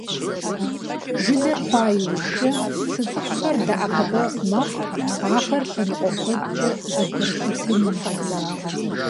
Жылэр хъуа иужькӀэ цы цӀыкӀухэр дэӀэпыкъуэгъу мэхъу ахэр лъэныкъуэ куэдкӀэ зэбгрылъэтынымкӀэ.